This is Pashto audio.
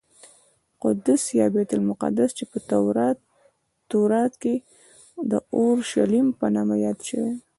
قدس یا بیت المقدس چې په تورات کې د اورشلیم په نامه یاد شوی.